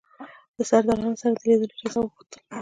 د سردارانو سره د لیدلو اجازه وغوښتل.